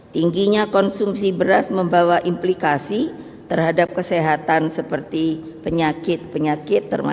tingginya konsumsi beras membawa implikasi terhadap kesehatan seperti penyakit penyakit